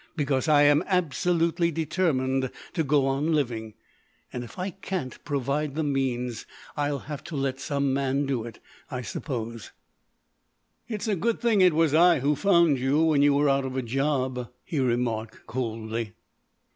Because I am absolutely determined to go on living. And if I can't provide the means I'll have to let some man do it, I suppose." "It's a good thing it was I who found you when you were out of a job," he remarked coldly.